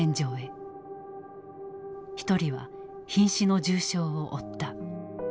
一人はひん死の重傷を負った。